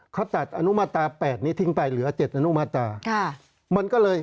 เขาตัดอนุมาตรา๘๐นี้ทิ้งไปเหลือเจ็ดอนุมาตรา